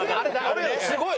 あれ。